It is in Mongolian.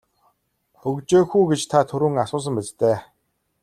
Хөгжөөх үү гэж та түрүүн асуусан биз дээ.